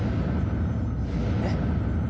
えっ？